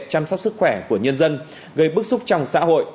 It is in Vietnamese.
chăm sóc sức khỏe của nhân dân gây bức xúc trong xã hội